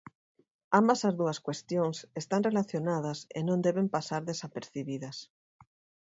Ambas as dúas cuestións están relacionadas e non deben pasar desapercibidas.